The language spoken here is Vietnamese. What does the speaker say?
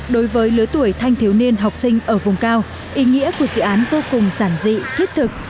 đối với lứa tuổi thanh thiếu niên học sinh ở vùng cao ý nghĩa của dự án vô cùng giản dị thiết thực